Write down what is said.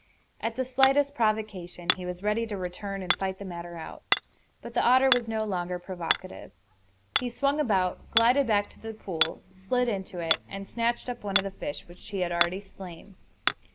At the slightest provocation he was ready to return and fight the matter out. But the otter was no longer provocative. He swung about, glided back to the pool, slid into it, and snatched up one of the fish which he had already slain.